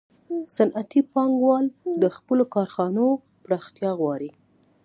صنعتي پانګوال د خپلو کارخانو پراختیا غواړي